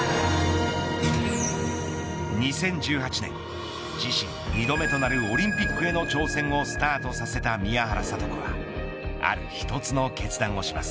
２０１８年自身２度目となるオリンピックへの挑戦をスタートさせた宮原知子がある１つの決断をします。